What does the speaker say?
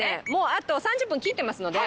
あと３０分切ってますので。